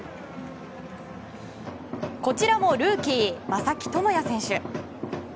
こちらもルーキー正木智也選手。